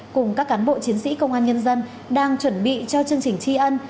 cùng các cán bộ chiến sĩ công an nhân dân đang chuẩn bị cho chương trình tri ân